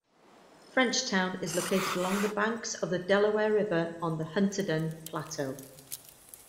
Frenchtown is located along the banks of the Delaware River on the Hunterdon Plateau.